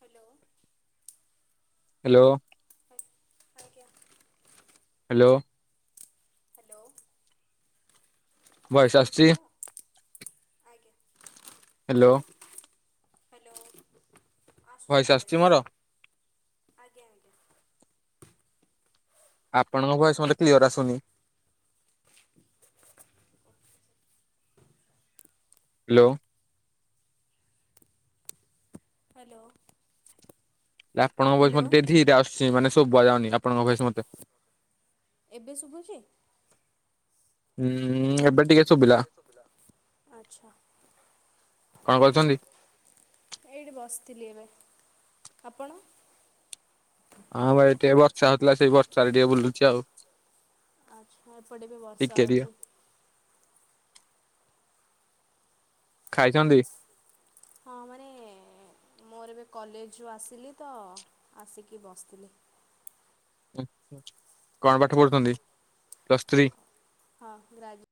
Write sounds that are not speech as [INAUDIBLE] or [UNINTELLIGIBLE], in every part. Hello. Hello. ଆଜ୍ଞା। Hello. Hello voice ଆସୁଛି ଶୁଭୁଚିତ। ଆଜ୍ଞା। ହାଲୋ। ହାଲୋ ଆସୁଚି ଆସୁଛି ଭଏସ୍। ମୋର ଆଜ୍ଞା ଆଜ୍ଞା। ଆପଣଙ୍କ ଭଏସ ମତେ କ୍ଲିୟର ଆସୁନି। ହାଲୋ। ହାଲୋ। ହେ ଆପଣଙ୍କ ଭୟସ ମତେ ଟେକେ ଧୀରେ ଆସୁଛି ମାନେ ସୁବୁ ଯାଉନି ଆପଣଙ୍କ ଭଏସ ମତେ। ଏବେ ଶୁଭୁଛି? ହୁଁ ଏବେ ଟିକେ ଶୁଭିଲା। ଆଚ୍ଛା। କଣ କରୁଛନ୍ତି? ଏଇଠି ବସିଥିଲି ଏବେ ଆପଣ? ହଁ ଏଇଠି ଟିକେ ବର୍ଷା ହଉଥିଲା ସେଇ ବର୍ଷାରେ ଟିକେ ବୁଲୁଛି ଆଉ ଆଚ୍ଛା ଏପଟେ ବି ବର୍ଷା ଟିକେ ଟିକେ ହଉଛି। ଖାଇଛନ୍ତି? ହଁ ମାନେ ମୋର ଏବେ କଲେଜରୁ ଆସିଲି ତ ଆସିକି ବସିଥିଲି। କଣ ପାଠ ପଢ଼ୁଛନ୍ତି ପ୍ଲସ୍ ଥ୍ରୀ। ହଁ ଗ୍ରାଜୁ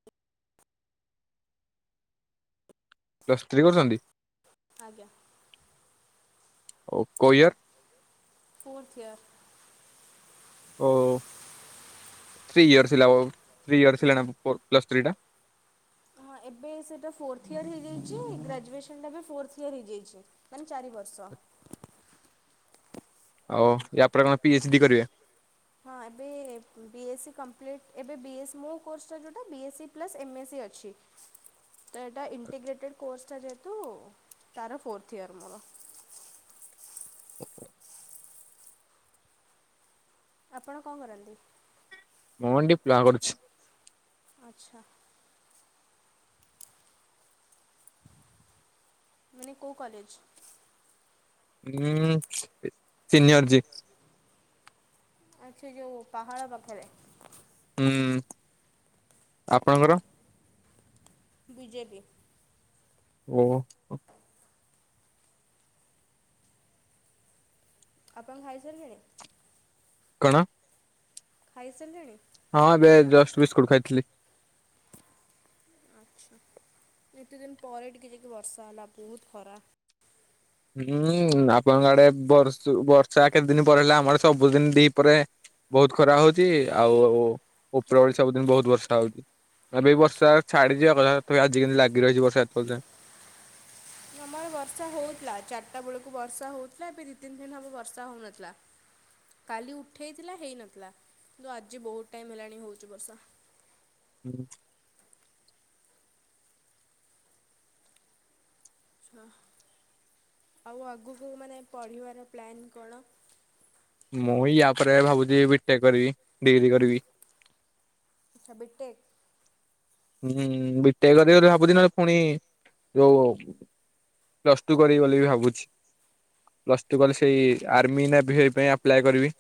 ପ୍ଲସ ଥ୍ରୀ କରୁଛନ୍ତି। ଆଜ୍ଞା। କୋଉ ଇଅର୍? Fourth year. ଓ ଥ୍ରୀ ଇୟର୍ସ ଥିଲା ଥ୍ରୀ ଇୟର୍ସ ଥିଲା ନା ପ୍ଲସ୍ ଥ୍ରୀ ଟା। ହଁ ଏବେ ସେଇଟା ଫୋର୍ଥ ଇୟର ହେଇଯାଇଛି ଗ୍ରାଜୁଏସନଟା ବି ଫୋର୍ଥ ଇୟର ହେଇଯାଇଛି। ମାନେ ଚାରି ବର୍ଷ। ଆଉ ୟାପରେ କଣ ପି ଏଚ୍ ଡି କରିବେ? ହଁ ଏବେ ବି ଏସ୍ ସି କମ୍ପ୍ଲିଟ୍ ଏବେ ବି ଏସ୍ ମୋ କୋର୍ସଟା ଯେଉଁଟା B S C plus M S C ଅଛି। [INAUDIBLE] ତ ଏଟା ଇଣ୍ଟିଗ୍ରେଟେଡ୍ କୋର୍ସଟା ଯେହେତୁ ତାର ଫୋର୍ଥ ଇଅର ମୋର। [INAUDIBLE] ଆପଣ କଣ କରନ୍ତି? ମୁଁ ଡିପ୍ଲୋମା କରୁଛି। ଆଚ୍ଛା। ମାନେ କୋଉ କଲେଜ୍? ଉଁ ଇ ସିନିୟର ଜି। ଆଛା ଯୋଉ ପାହାଡ଼ ପାଖରେ। ହୁଁ ଆପଣଙ୍କର? B J P. ଉଁ? ଆପଣ ଖାଇସାରି ଲେଣି? କଣ? ଖାଇସାରିଲେଣି? ହଁ ଏବେ ଜଷ୍ଟ୍ ବିସ୍କୁଟ୍ ଖାଇଥିଲି। ଆଚ୍ଛା ଏତେ ଦିନ ପରେ ଟିକେ ଯାଇକି ବର୍ଷା ହେଲା ବୋହୁତ ଖରା ହୁଁ ଆପଣଙ୍କ ଆଡ଼େ ବର୍ଷୁ ବର୍ଷା କେତେ ଦିନ ପରେ ହେଲା ଆମରେ ସବୁଦିନ ଦି ପହରେ ବୋହୁତ ଖରା ହୋଉଚି ଆଉ ଉପର ବଳି ସବୁଦିନ ବୋହୁତ ବର୍ଷା ହୋଉଚି। ଏବେ ବି ବର୍ଷା ଛାଡ଼ିଯିବା କଥା ତ ଆଜି କେମିତି ଲାଗି ରହିଛି ବର୍ଷା ଏତେବେଳେ ଯାଏଁ। ଆମର ବର୍ଷା ହଉଥିଲା ଚାରିଟା ବେଳକୁ ବର୍ଷା ହଉଥିଲା ଏବେ ଦି ତିନି ଦିନ ହବ ବର୍ଷା ହଉନଥିଲା। କାଲି ଉଠେଇଥିଲା ହେଇନଥିଲା କିନ୍ତୁ ଆଜି ବୋହୁତ ଟାଇମ ହେଲାଣି ହୋଉଛି ବର୍ଷା। ହୁଁ। ହଁ ଆଉ ଆଗକୁ ମାନେ ପଢ଼ିବାର ପ୍ଲାନ୍ କଣ? ମୁଁ ୟା ପରେ ଭାବୁଚି ବିଟେକ୍ କରିବି ଡିଗ୍ରୀ କରିବି। ଆଚ୍ଛା ବିଟେକ୍? ହୁଁ ବିଟେକ୍ କରିବି ବୋଲି ଭାବୁଚି ନହେଲେ ପୁଣି ଯୋଉ ପ୍ଲସ୍ ଟୁ କରିବି ବୋଲି ବି ଭାବୁଛି। ପ୍ଲସ୍ ଟୁ କଲେ ସେଇ ଆର୍ମି ନେଭିଏ ପାଇଁ ଆପ୍ଲାଏ କରିବି।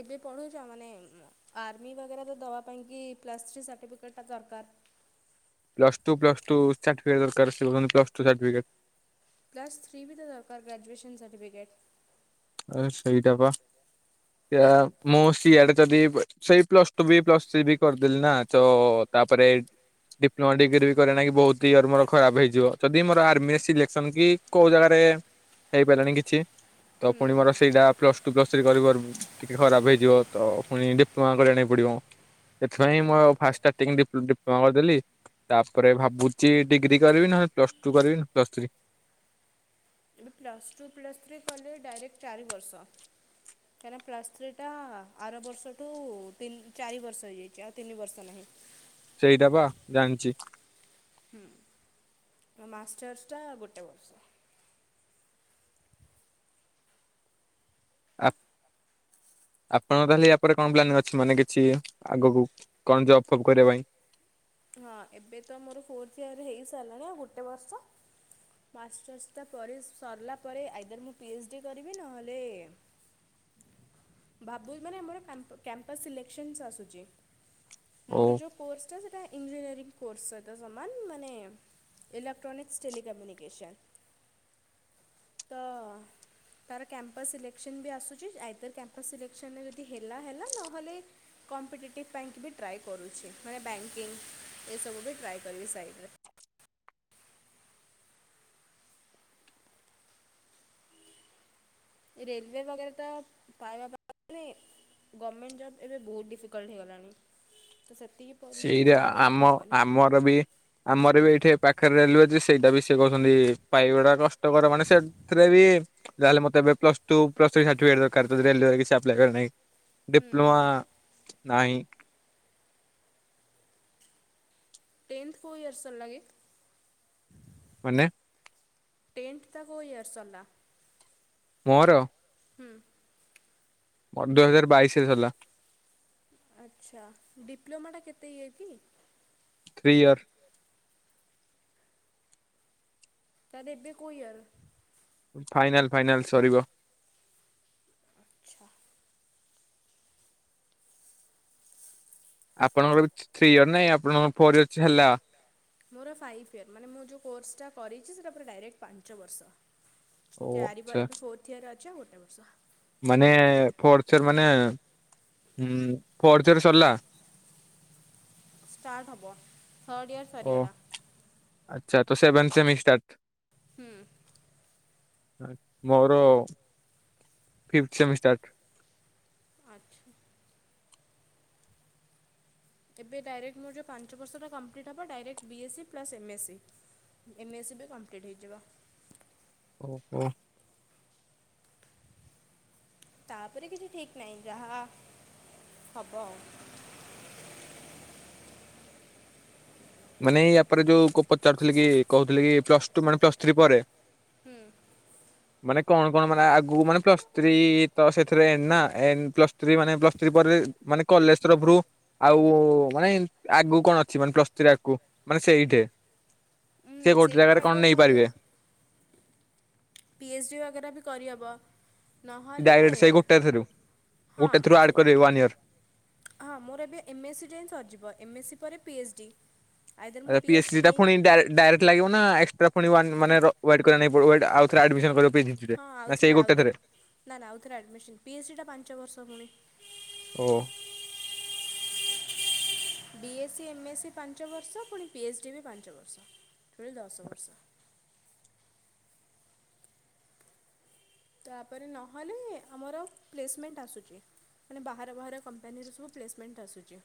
ଏବେ ପଢ଼ୁଚ଼ ମାନେ ଉଁ ମ ଆର୍ମି ବଗେରା ତ ଦବା ପାଇଁକି ପ୍ଲସ୍ ଥ୍ରୀ ସାର୍ଟିଫିକେଟ୍ ଟା ଦରକାର। Plus two plus two certificate ଦରକାର [UNINTELLIGIBLE] plus two certificate. Plus three ବି ତ ଦରକାର ଗ୍ରାଜୁଏସନ୍ ସର୍ଟିଫିକେଟ। ଆରେ ସେଇଟାପା। [UNINTELLIGIBLE] ମୁଁ ସିଆଡ଼େ ଯଦି ସେଇ ପ୍ଲସ ଟୁ ବି ପ୍ଲସ ଥ୍ରୀ ବି କରିଦେଲି ନା ତ ତାପରେ ଡିପ୍ଲୋମା ଡିଗ୍ରୀ ବି କରିବା ନାଗି କି ବୋହୁତ ହି ଇୟର ମୋର ଖରାପ ହେଇଯିବ ଯଦି ମୋର ଆର୍ମିରେ ସିଲେକ୍ସନ୍ କି କୋଉ ଜାଗାରେ ହେଇପାରିଲାଣି କିଛି ତ ପୁଣି ମୋର ସେଇଯା ପ୍ଲସ୍ ଟୁ ପ୍ଲସ୍ ଥ୍ରି କରିବାରୁ ଟିକେ ଖରାପ ହେଇଯିବ ତ ପୁଣି ଡିପ୍ଲୋମା କରିବା ନାଗି ପଡି଼ବ। ସେଥିପାଇଁ ମୁଁ ଆଉ ଫାଷ୍ଟ୍ ଷ୍ଟାର୍ଟିଂ ଡିପ୍ଲ ଡିପ୍ଳୋମା କରିଦେଲି। ତାପରେ ଭାବୁଛି ଡିଗ୍ରୀ କରିବି ନହେଲେ ପ୍ଲସ ଟୁ କରିବି ନା ପ୍ଲସ ଥ୍ରୀ। କିନ୍ତୁ ପ୍ଲସ୍ ଟୁ ପ୍ଲସ୍ ଥ୍ରୀ କଲେ ଡାଇରେକ୍ଟ ଚାରି ବର୍ଷ। କାହିଁକିନା ପ୍ଲସ୍ ଥ୍ରୀ ଟା ଆର ବର୍ଷଠୁ ତିନ୍ ଚାରି ବର୍ଷ ହେଇଯାଇଛି ଆଉ ତିନି ବର୍ଷ ନାହିଁ। ସେଇଟା ବା ଜାଣିଚି। ହୁଁ ତ ମାଷ୍ଟର୍ସ ଟା ଗୋଟେ ବର୍ଷ। ଆ ଆପଣଙ୍କ ତାହେଲେ ୟା ପରେ କଣ ପ୍ଲାନ ଅଛି ମାନେ କିଛି ଆଗକୁ କଣ ଯବ୍ ଫବ୍ କରିବା ପାଇଁ? ହଁ ଏବେ ତ ମୋର ଫୋର୍ଥ ଇୟର ହେଇ ସାରିଲାଣି ଆଉ ଗୋଟେ ବର୍ଷ। ମାଷ୍ଟର୍ସଟା ପରେ ସରିଲା ପରେ ଆଇଦର ମୁଁ ପି ଏଚ୍ ଡି କରିବି ନହେଲେ [INAUDIBLE] ଭାବୁଚି ମାନେ ଆମର କ୍ୟାମ୍ପ କ୍ୟାମ୍ପସ ସିଲେକ୍ ସନ୍ସ‌ ଆସୁଚି। ଓ ମୋର ଯୋଉ କୋର୍ସଟା ସେଇଟା ଇଞ୍ଜିନିୟରିଂ କୋର୍ସ ସହିତ ସମାନ ମାନେ ଏଇଲେକ୍ଟ୍ରନିକ୍ସ ଷ୍ଟେଲିିକମ୍ୟୁନିକସନ୍ ତ ତାର କ୍ୟାମ୍ପସ ସିଲେକ୍ସନ ବି ଆସୁଛି ଆଇଦର କ୍ୟାମ୍ପସ ସିଲେକ୍ସନ ଯଦି ହେଲା ହେଲା ନହେଲେ କମ୍ପିଟେଟିଭ୍ ପାଇଁ କି ବି ଟ୍ରାଏ କରୁଛି ମାନେ ବ୍ୟାଙ୍କିଙ୍ଗ୍ ଏସବୁ ବି ଟ୍ରାଏ କରିବି ସାଇଡ୍ ରେ। ରେଲ୍ ୱେ ବାଗେରା ତ ପାରା [INAUDIBLE] ଗମେଣ୍ଟ ଜବ୍ ଏବେ ବୋହୁତ ଡିଫିକଲ୍ଟ୍ ହେଇଗଲାଣି ତ ସେତିକି ପରିଶ୍ରମ ସେଇରା ନ କଲେ ଆମ ହେବନି ଆମର ବି ଆମର ବି ଏଇଠି ପାଖରେ ରେଲୱେ ଅଛି ସେଇଟା ବି ସେଏ କହୁଛନ୍ତି ପାଇବା ଟା କଷ୍ଟକର ମାନେ ସେ ସେଥିରେ ବି ଯାହାହେଲେ ମତେ ଏବେ plus two, plus three certificate ଦରକାର ରେଲୱେ ରେ କିଛି ଆପ୍ଲାଏ କରିଆ ନାଗି। ଡିପ୍ଲୋମା ନାହିଁ। ଟେନ୍ଥ କୋଉ ଇୟର୍ ସରିଲା କି ମାନେ? ଟେନ୍ଥ୍ ଟା କୋଉ ଇୟର ସରିଲା? ମୋର? ହୁଁ। ଦୁଇ ହଜାର ବାଇଶି ରେ ସରିଲା। ଆଚ୍ଛା ଡିପ୍ଲୋମାଟା କେତେ ଇଏ କି? Three year. ତା ହେଲେ ଏବେ କଉ ଇୟର? ଫାଇନାଲ ଫାଇନାଲ ସରିବ। ଆଚ୍ଛା। ଆପଣଙ୍କର ବି ଥ୍ରୀ ଇୟର ନାଇଁ ଆପଣଙ୍କର ଫୋର ଇୟର ଚାଲିଲା? ମୋର ଫାଇଭ୍ ଇୟର୍ ମାନେ ମୁଁ ଯେଉଁ କୋର୍ସଟା କରିଛି ସେଇଟା ପୁର ଡାଇରେକ୍ଟ ପାଞ୍ଚ ବର୍ଷ। ଓ ଚାରିବା ଆଚ୍ଛା ଏବେ ଫୋର୍ଥ ଇୟର ଅଛି ଆଉ ଗୋଟେ ବର୍ଷ। ମାନେ ଫୋର୍ଥ ଇୟର ମାନେ ଫୋର୍ଥ ଇୟର ସରିଲା? ଷ୍ଟାର୍ଟ ହବ। ଥାର୍ଡ଼ ଇୟର୍ ଓ ସରିଗଲା ଆଚ୍ଛା ତ ସେଭନ ସେମିଷ୍ଟାର୍? ହୁଁ। ମୋର ଫି୍ଫ୍ଥ ସେମିଷ୍ଟାର୍। ଆଚ୍ଛା। ଏବେ ଡାଇରେକ୍ଟ ମୋ ଯେଉଁ ପାଞ୍ଚ ବର୍ଷଟା କମ୍ପ୍ଲିଟ୍ ହେବ direct B S C plus M S C. M S C ବି କମ୍ପ୍ଲିଟ୍ ହେଇଯିବ। ଓହୋଃ। ତାପରେ କିଛି ଠିକ୍ ନାହିଁ ଯାହା ହବ ଆଉ। ମାନେ ଏଇ ୟାପରେ ଯୋଉ ପଚାରୁଥିଲି କି କହୁଥିଲି କି ପ୍ଲସ ଟୁ ମାନେ ପ୍ଲସ ଥ୍ରୀ ପରେ ହୁଁ। ମାନେ କଣ କଣ ମାନେ ଆଗକୁ ମାନେ ପ୍ଲସ୍ ଥ୍ରୀ ତ ସେଥିରେ ନା ପ୍ଲସ୍ ଫ୍ରି ମାନେ ପ୍ଲସ୍ ଥ୍ରୀ ପରେ ମାନେ କଲେଜ ତରଫରୁ ଆଉ ମାନେ ଆଗକୁ କଣ ଅଛି ମାନେ ପ୍ଲସ୍ ଥ୍ରୀ ଆଗକୁ ମାନେ ସେଇଠି? ସେ ଗୋଟେ ସେଇଠି ଜାଗାରେ କଣ ଆଗର ମୋତେ ନେଇପାରିବେ? ପି ଏଚ୍ ଡ଼ି ବଗେରା ବି କରିହେବ। ନହଲେ ଡାଇରେକ୍ଟ ସେଇ ଗୋଟେ ଥ୍ରୁ ହଁ ଗୋଟେ ଥ୍ରୁ ଆଡ୍ କରିବେ ୱାନ୍ ଇୟର। ହଁ ମୋର ଏବେ ଏମ୍ ଏସ୍ ସି ଟା ହିଁ ସରିଯିବ ଏମ୍ ଏସ୍ ସି ପରେ P H D. P H D ଟା ପୁଣି ଡାଇରେକ୍ଟ ଲାଗିବ ନା ଏକ୍ସଟ୍ରା ପୁଣି ୱାନ ମାନେ ୱଏଟ କରିବାନାଗି ପଡ଼ିବ ଆଉଥରେ ଆଡମିସନ୍ କରିବ ଡି ରେ ହଁ ନା ସେଇ ଆଉଥରେ ଗୋଟେ ଥରେ? ଆଉଥରେ ନା ନା ଆଉଥରେ ଆଡ଼ମିସନ୍ ପି ଏଚ୍ ଡି ଟା ପାଞ୍ଚ ବର୍ଷ ପୁଣି। ଓଃ। B S C, M S C ପାଞ୍ଚ ବର୍ଷ ପୁଣି ପି ଏଚ୍ ଡି ବି ପାଞ୍ଚ ବର୍ଷ ଟୋଟାଲି ଦଶ ବର୍ଷ। ତାପରେ ନହେଲେ ଆମର ପ୍ଲେସମେଣ୍ଟ ଆସୁଛି। ମାନେ ବାହାର ବାହାର କମ୍ପାନୀରେ ସବୁ ପ୍ଲେସମେଣ୍ଟ ଆସୁଛି।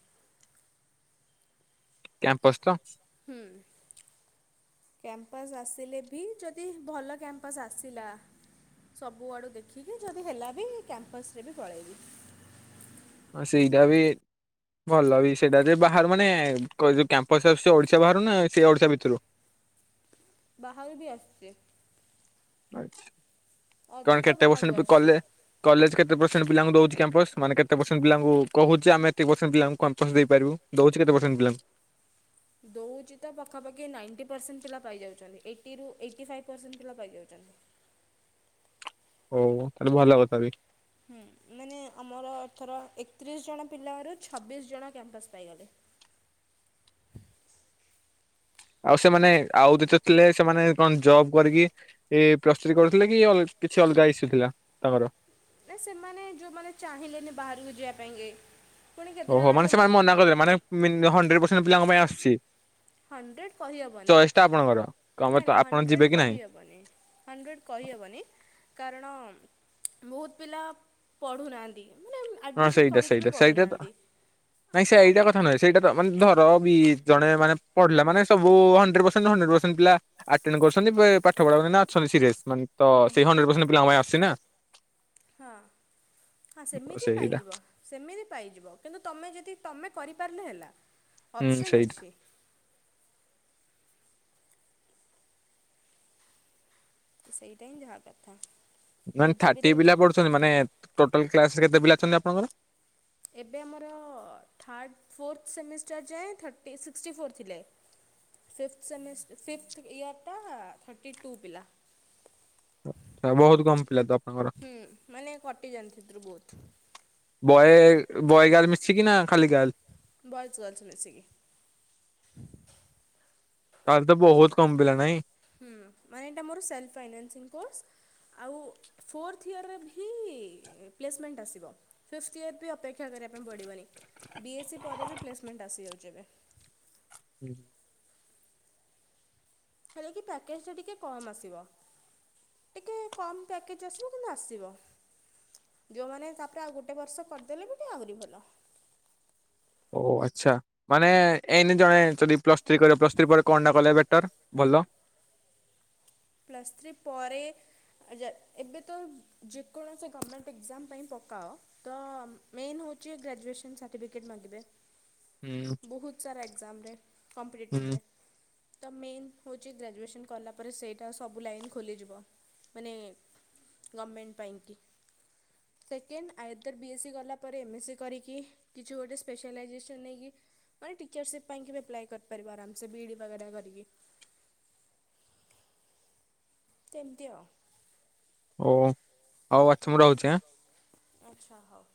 କ୍ୟାମ୍ପସ ତ? ହୁଁ। କ୍ୟାମ୍ପସ୍ ଆସିଲେ ବି ଯଦି ଭଲ କ୍ୟାମ୍ପସ୍ ଆସିଲା ସବୁ ଆଡ଼ୁ ଦେଖିକି ଯଦି ହେଲା ବି କ୍ୟାମ୍ପସରେ ବି ପଳେଇବି। ଆ ସେଇଟା ବି ଭଲ ବି ସେଇଟା ଯେ ବାହାରୁ ମାନେ ଯୋଉ କ୍ୟାମ୍ପସ ଆସୁଚି ଓଡ଼ିଶା ବାହାରୁ ନା ସେଇ ଓଡ଼ିଶା ଭିତରୁ? ବାହାରୁ ବି ଆସିଛି ଆଛା କଣ ଅଧିକ କେତେ ବାହାରୁ ପରସେଣ୍ଟ ଵି ଆସୁଛି। କଲେ କଲେଜ କେତେ ପରସେଣ୍ଟ ପିଲାଙ୍କୁ ଦଉଛି କ୍ୟାମ୍ପସ୍ ମାନ କେତେ ପରସେଣ୍ଟ ପିଲାଙ୍କୁ କହୁଛି ଆମେ ଏତିକି ପରସେଣ୍ଟ ପିଲଙ୍କୁ କ୍ୟାମ୍ପସ ଦେଇପାରିବୁ ଦଉଛି କେତେ ପରସେଣ୍ଟ ପିଲା ଦଉଛି ତ ପାଖାପାଖି ନାଇଣ୍ଟି ପରସେଣ୍ଟ ପିଲା ପାଇଯାଉଛନ୍ତି ଏଇଟିରୁ ଏଇଟି ଫାଇବ୍ ପରସେଣ୍ଟ ପିଲା ପାଇଯାଉଛନ୍ତି ଓ ତାହେଲେ ଭଲ କଥା ବି ହୁଁ ମାନେ ଆମର ଏଥର ଏକତିରିଶ ଜଣ ପିଲାରୁ ଛବିଶ ଜଣ କ୍ୟାମ୍ପାସ୍ ପାଇଗଲେ ଆଉ ସେମାନେ ଆଉ ଯେତ ଥିଲେ ସେମାନେ କଣ ଜବ୍ କରିକି ଏ ପ୍ରସ୍ତୁତି କରୁଥିଲେ କି କିଛି ଅଲଗା ଇସ୍ୟୁ ଥିଲା ତାଙ୍କର ନା ସେମାନେ ଯୋଉମାନେ ଚାହିଁଲେନି ବାହାରକୁ ଯିବା ପାଇଁକି ପୁଣି କେତେଜଣ ଓହୋ ମାନେ ଯେଉଁମାନେ ସେମାନେ ମନା କରିବେ ମାନେ ମି ହଣ୍ଡ୍ରେଟ୍ ପରସେଣ୍ଟ ପିଲାଙ୍କ ପାଇଁ ଆସିଛି। ହଣ୍ଡ୍ରେଟ୍ କହିହବନି ଆପଣଙ୍କର କମ ନାଇଁ ତ ନାଇଁ ଆପଣ ଯିବେ ହଣ୍ଡ୍ରେଟ୍ କି ନାହିଁ କହିହବନି ହଣ୍ଡ୍ରେଟ୍ କହିହବନି କାରଣ ବହୁତ ପିଲା ପଢ଼ୁନାହାଁନ୍ତି ମାନେ ହଁ ଆଡ଼ମିସନ୍ ସେଇଟା କରିକି ବି ସେଇଟା ସୋଇଟା ତ ପଢ଼ୁନାହାନ୍ତି ତାହେଲେ ସେଇଟା ତ ମାନେ ଧର ବି ଜଣେ ମାନେ ପଢ଼ିଲା ମାନେ ସବୁ ହଣ୍ଡ୍ରେଟ୍ ପରସେଣ୍ଟେ ହଣ୍ଡ୍ରେଟ୍ ପରସେଣ୍ଟ ପିଲା ଆଟେଣ୍ତେ କରଛନ୍ତି ପ୍ରାୟେ ପାଠ ପଢା ମାନେଅଛନ୍ତି ସିରିଏଲ୍ ମାନେ ତ ହୁଁ ସେଇ ହୁଁ ହଣ୍ଡ୍ରେଟ୍ ପରସେଣ୍ଟେ ପିଲାଙ୍କ ପାଇଁ ଆସିନା ହଁ ହଁ ସେମିତି ସେଇଟା ପାଇଯିବ। ସେମିତି ପାଇଯିବ କିନ୍ତୁ ତମେ ଯଦି ତମେ କରିପାରିଲେ ହେଲା ହୁଁ ଅପସନ୍ ସେଇଟା ଅଛି। ସେଇଟା ହିଁ ଯାହା କଥା। ମାନେ ବିଜେପିରେ ଥାର୍ଟି ଏବେ ପିଲା ପଢୁଛନ୍ତି ମାନେ ଟୋଟାଲ କ୍ଲାସ ରେ କେତେ ପିଲା ଅଛନ୍ତି ଆପଣଙ୍କର। ଏବେ ଆମର ଥାର୍ଡ଼ ଫୋର୍ଥ ସେମିଷ୍ଟର୍ ଯାଏଁ ଥର୍ଟି ସିକ୍ସିଟି ଫୋର୍ ଥିଲେ। ଫିଫ୍ଥ ସେମଷ୍ଟ ଫିଫ୍ଥ ଇୟରଟା ଥର୍ଟି ଟୁ ପିଲା। ଆ ବହୁତ୍ କମ ପିଲା ତ ଆପଣଙ୍କର। ହୁଁ ମାନେ କଟିଯାଆନ୍ତି ସେଥିରୁ ବହୁତ୍। ବଏ ବଏ ଗାଲ ମିଶକି କି ନା ଖାଲି ଗାଲ ବୟେଚ୍ ଅଛି ମିସିକି ତାଲେ ତ ବହୁତ କାମ ପିଲା ନାଇଁ। ହୁଁ ମାନେ ଏଇଟା ମୋର ସେଲ୍ଫ୍ ଫାଇନାନ୍ସିଂ କୋର୍ସ୍ ଆଉ ଫୋର୍ଥ ଇୟରରେ ଭି ପ୍ଲେସମେଣ୍ଟ ଆସିବ। ଫିଫ୍ଥ ଇୟର ବି ଅପେକ୍ଷା କରିବା ପାଇଁ ପଡ଼ିବନି ବି ଏସ୍ସି ପରେ ବି ପ୍ଲେସମେଣ୍ଟ ଆସିଯାଉଛି ଏବେ। ହୁଁ। ହେଲେ କି ପ୍ୟାକେଜ୍ଟା ଟିକେ କମ୍ ଆସିବ। ଟିକେ କମ୍ ପ୍ୟାକେଜ୍ ଆସିବ କିନ୍ତୁ ଆସିବ। ଯୋଉମାନେ ତାପରେ ଆଉ ଗୋଟେ ବର୍ଷ କରିଦେଲେ ବି ଯେଦି ଆହୁରି ଭଲ‌ ଓ ଆଚ୍ଛା ମାନେ ଏଇନି ଜଣେ ଯଦି ପ୍ଲସ୍ ଥ୍ରୀ କରିବ ପ୍ଲସ୍ ଥ୍ରୀ ପରେ କଣଟା କଲେ ବେଟର। ଭଲ ପ୍ଲସ୍ ଥ୍ରୀ ପରେ ଆ ଯେ ଏବେ ତ ଯେକୌଣସି ଗଭର୍ଣ୍ଣମେଣ୍ଟ ଏକ୍ଜାମ ପାଇଁ ପକାଅ ତ ମେନ୍ ହେଉଛି ଗ୍ରାଜୁଏସନ୍ ସାର୍ଟିଫିକେଟ୍ ମାଗିବେ ହୁଁ ବହୁତ ସାରା ଏକ୍ଜାମରେ ହୁଁ କମ୍ପିଟେଟିଭରେ ତ ମେନ୍ ହଉଚି ଗ୍ରାଜୁଏସନ୍ କଲା ପରେ ସେ ତା ସବୁ ଲାଇନ୍ ଖୋଲିଯିବ ମାନେ ଗଭର୍ଣ୍ଣମେଣ୍ଟ ପାଇଁକି। ସେକେଣ୍ଡ ଆୟଦର୍ ବି ଏସ୍ ସି ଗଲା ପରେ ଏମ୍ଏସ୍ କରିକି କିଛି ଗୋଟେ ସ୍ପେଶାଲାଇଜେସନ୍ ନେଇକି ମାନେ ଟିଚର୍ସିପ୍ ପାଇଁ କି ବି ଆପ୍ଲାଏ କରିପାରିବ ଆରାମସେ ବି ଡ଼ି ବଗେରା କରିକି। ଏମିତି ଆଉ ଓ ହଉ ଆଛ ମୁଁ ରହୁଛିଁ। ଆଚ୍ଛା ହଉ।